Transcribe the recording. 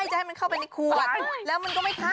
หือ